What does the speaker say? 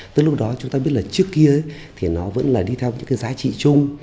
tới lúc đó chúng ta biết là trước kia thì nó vẫn là đi theo những cái giá trị chung